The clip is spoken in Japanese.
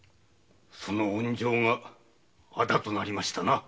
その恩情が仇となりましたな。